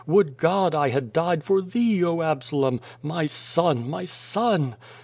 Would God I had died for thee, O Absalom ! My son, my son !